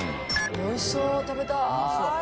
おいしそう食べたい。